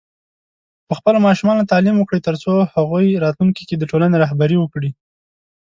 په خپلو ماشومانو تعليم وکړئ، ترڅو هغوی راتلونکي کې د ټولنې رهبري وکړي.